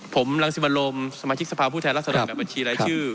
ผมลังสิบหลมสำหรับผู้แทนล่าสแรกแบบบัญชีลายชื่อ